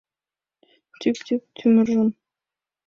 Тӱп-тӱп тӱмыржым